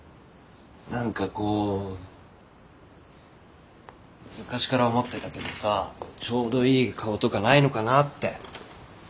何かこう昔から思ってたけどさちょうどいい顔とかないのかなって。